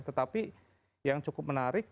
tetapi yang cukup menarik